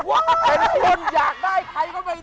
ว้าวเป็นคนอยากได้ใครก็ไม่ได้